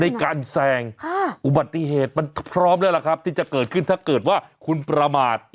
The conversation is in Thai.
ในการแซงอุบัติเหตุมันพร้อมแล้วล่ะครับที่จะเกิดขึ้นถ้าเกิดว่าคุณประมาท